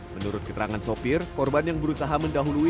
menurut keterangan sopir korban yang berusaha mendahului